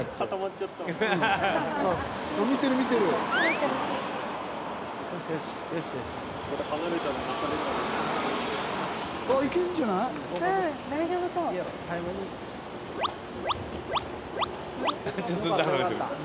ちょっとずつ離れてる。